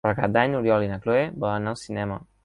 Per Cap d'Any n'Oriol i na Cloè volen anar al cinema.